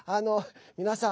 皆さん。